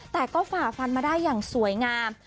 แต่ก็ฝ่าฟันมาได้อย่างสวยงาม